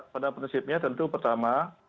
pada prinsipnya tentu pertama